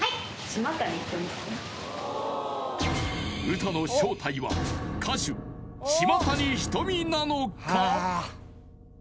ウタの正体は歌手島谷ひとみなのか？